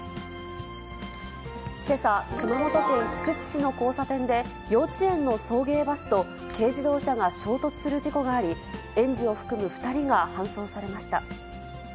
けさ、熊本県菊池市の交差点で、幼稚園の送迎バスと軽自動車が衝突する事故があり、園児を含む２人が搬送されました。